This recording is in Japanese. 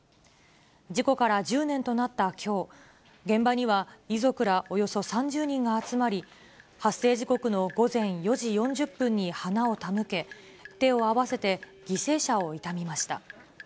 事故から１０年となったきょう、現場には遺族らおよそ３０人が集まり、発生時刻の午前４時４０分に花を手向け、手を合わせて犠牲者を悼みました。